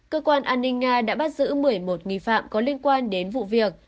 cơ quan an ninh nga đã bắt giữ một mươi một nghi phạm có liên quan đến vụ việc